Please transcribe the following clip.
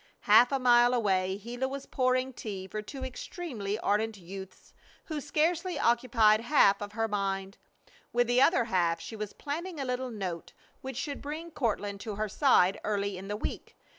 Half a mile away Gila was pouring tea for two extremely ardent youths who scarcely occupied half of her mind. With the other half she was planning a little note which should bring Courtland to her side early in the week.